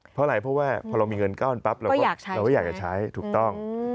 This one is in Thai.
เพราะอะไรเพราะว่าพอเรามีเงินก้อนปั๊บเราก็อยากจะใช้ถูกต้อง